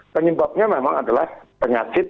penyebabnya memang adalah penyakit